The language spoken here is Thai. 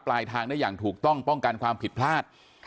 ปลายทางได้อย่างถูกต้องป้องกันความผิดพลาด